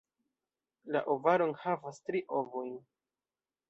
La ovaro enhavas tri ovojn.